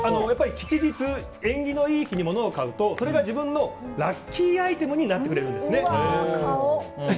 吉日、縁起のいい日に物を買うとそれが自分のラッキーアイテムになってくれるんですね。